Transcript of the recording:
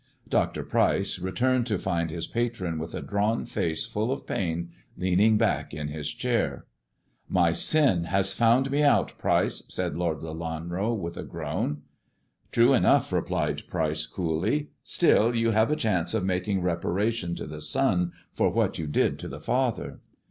Dr. Pryce returned to find his patron with a drawn face full of pain leaning back in his chair. 140 THE dwarf's chamber " My sin has found me out, Pryce," said Lord Lelanro, with a groan. "True enough/' replied Pryce coolly; "still, you have a chance of making reparation to the son for what you did to the father."